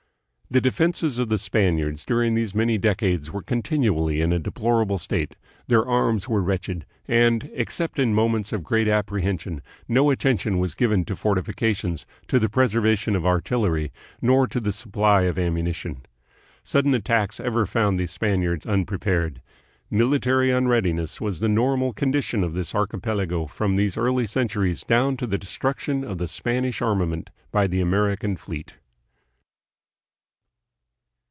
The defenses of the Spaniards during these many decades were contin ually in a deplorable state, their arms were wretched, and, except in moments of great apprehension, no attention was given to fortifications, to the preservation of artillery, nor to the supply of ammunition." Sudden attacks ever found the Spaniards unprepared. Military unreadiness was the normal condition of this archipelago from these early centuries down to the destruction of the Spanish armament by the American fleet.